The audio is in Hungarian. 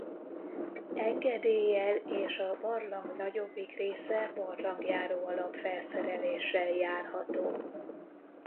Engedéllyel és a barlang nagyobbik része barlangjáró alapfelszereléssel járható.